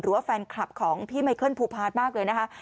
ว่าแฟนคลับของพี่ไมเคิลภูพาร์ทมากเลยนะคะ